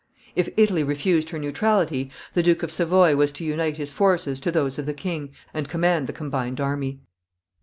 If Italy refused her neutrality, the Duke of Savoy was to unite his forces to those of the king and command the combined army.